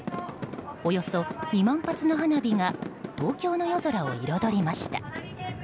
およそ２万発の花火が東京の夜空を彩りました。